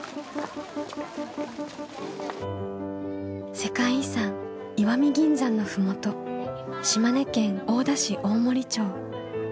世界遺産石見銀山の麓島根県大田市大森町。